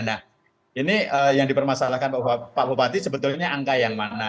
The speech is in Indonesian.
nah ini yang dipermasalahkan pak bupati sebetulnya angka yang mana